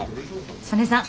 曽根さん。